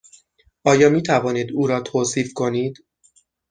آیا می توانید او را توصیف کنید؟